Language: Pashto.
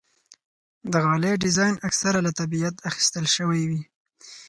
د غالۍ ډیزاین اکثره له طبیعت اخیستل شوی وي.